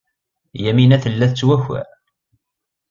Yamina tella tettwakar.